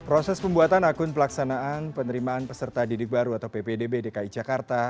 proses pembuatan akun pelaksanaan penerimaan peserta didik baru atau ppdb dki jakarta